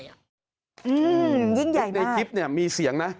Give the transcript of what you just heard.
ยิ่งใหญ่มากในคลิปมีเสียงนะ